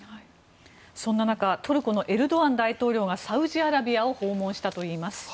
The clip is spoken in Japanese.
そんな中トルコのエルドアン大統領がサウジアラビアを訪問したといいます。